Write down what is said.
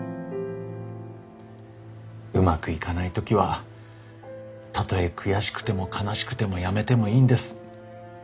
うまくいかない時はたとえ悔しくても悲しくてもやめてもいいんです。